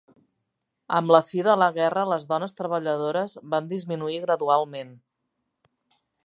Amb la fi de la guerra les dones treballadores van disminuir gradualment.